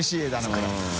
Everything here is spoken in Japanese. これ。